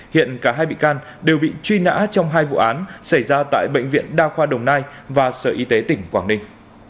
hiện cả hai bị can đều bị truy nã trong hai vụ án xảy ra tại bệnh viện đa khoa đồng nai và sở y tế tỉnh quảng ninh